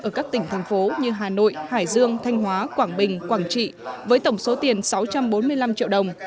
ở các tỉnh thành phố như hà nội hải dương thanh hóa quảng bình quảng trị với tổng số tiền sáu trăm bốn mươi năm triệu đồng